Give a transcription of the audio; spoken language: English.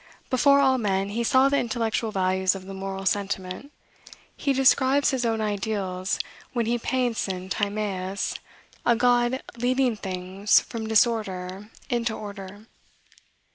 Before all men, he saw the intellectual values of the moral sentiment. He describes his own ideal, when he paints in Timaeus a god leading things from disorder into order.